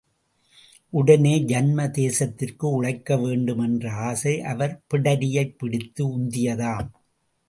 உடனே ஜன்ம தேசத்திற்கு உழைக்க வேண்டுமென்ற ஆசை அவர் பிடரியைப் பிடித்து உந்தியதாம்.